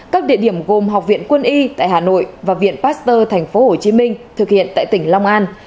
các địa điểm gồm học viện quân y tại hà nội và viện pasteur tp hcm thực hiện tại tỉnh long an